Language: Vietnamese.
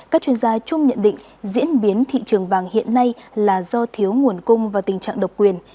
các chuyên gia chung nhận định diễn biến thị trường vàng hiện nay là do thiếu nguồn cung và tình trạng độc quyền